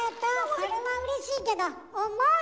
それはうれしいけど重い！